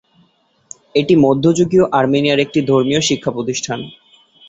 এটি মধ্যযুগীয় আর্মেনিয়ার একটি ধর্মীয় শিক্ষা প্রতিষ্ঠান।